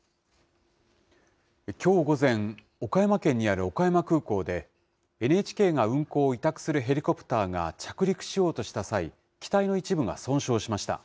きょう午前、岡山県にある岡山空港で、ＮＨＫが運航を委託するヘリコプターが着陸しようとした際、機体の一部が損傷しました。